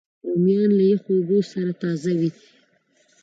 رومیان له یخو اوبو سره تازه وي